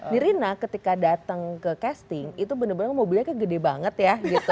dirina ketika datang ke casting itu bener bener mobilnya kayak gede banget ya gitu